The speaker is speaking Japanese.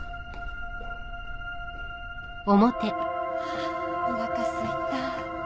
あおなかすいた。